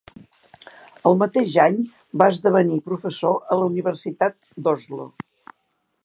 El mateix any va esdevenir professor a la Universitat d'Oslo.